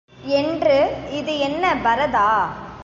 என்று, இது என்ன பரதா?